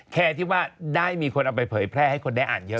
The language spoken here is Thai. แค่ที่ว่าได้มีคนเอาไปเผยแพร่ให้คนได้อ่านเยอะ